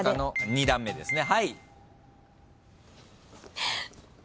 ２段目ですね。